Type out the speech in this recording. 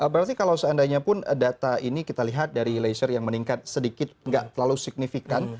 berarti kalau seandainya pun data ini kita lihat dari leisure yang meningkat sedikit nggak terlalu signifikan